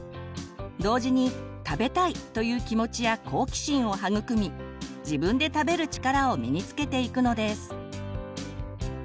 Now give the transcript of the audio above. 同時に「食べたい」という気持ちや好奇心を育み自分で食べる力を身につけていくのです。